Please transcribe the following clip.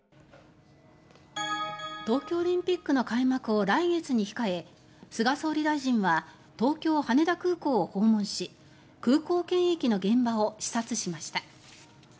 東京オリンピックの開幕を来月に控え菅総理大臣は東京・羽田空港を訪問し空港検疫の現場を視察しました。